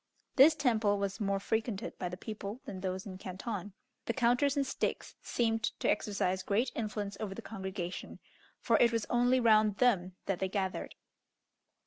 This temple was more frequented by the people than those in Canton. The counters and sticks seemed to exercise great influence over the congregation, for it was only round them that they gathered.